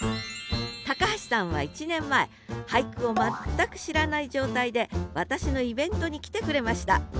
橋さんは１年前俳句を全く知らない状態で私のイベントに来てくれました。